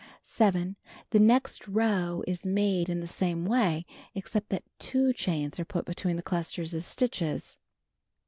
7. The next row is made in the same way, except that 2 chains are put between the clusters of stitches.